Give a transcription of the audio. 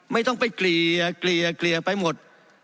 ไม่ต้องกลีย่อไปหมด